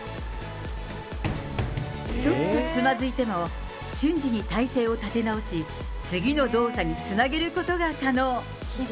ちょっとつまずいても、瞬時に体勢を立て直し、次の動作につなげることが可能。